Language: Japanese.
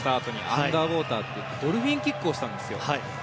アンダーウォーターといってドルフィンキックをしたんですよ。